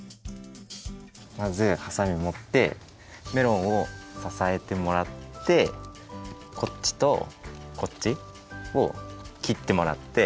まずハサミもってメロンをささえてもらってこっちとこっちをきってもらって。